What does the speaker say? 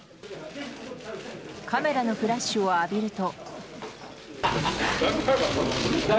カメラのフラッシュを浴びると。